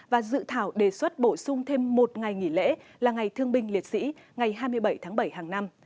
và dự thảo đề xuất bổ sung thêm một ngày nghỉ lễ là ngày thương binh liệt sĩ ngày hai mươi bảy tháng bảy hàng năm